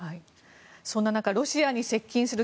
そんな中ロシアに接近する